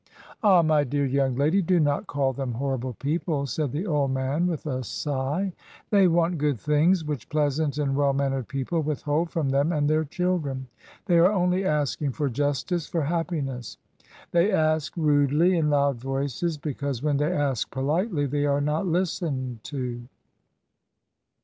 230 MRS. DYMOND. "Ah! my dear young lady, do not call them horrible people," said the old man, with a sigL "They want good things, which pleasant and well mannered people withhold from them and their children. They are only asking for justice, for happiness. They ask rudely, in loud voices, be cause when they ask politely they are not listened to."